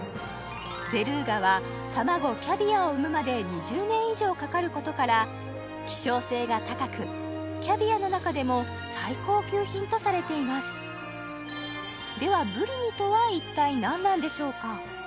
ベルーガは卵キャビアを産むまで２０年以上かかることから希少性が高くキャビアの中でも最高級品とされています何なんでしょうか？